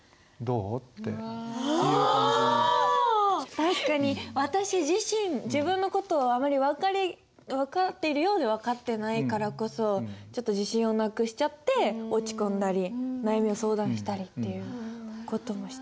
確かに私自身自分の事をあまり分かってるようで分かってないからこそちょっと自信をなくしちゃって落ち込んだり悩みを相談したりっていう事もしちゃいますもんね。